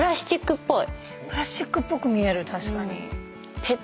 プラスチックっぽく見える確かに。